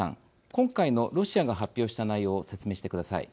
今回のロシアが発表した内容を説明してください。